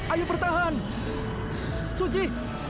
ayo bertahan suci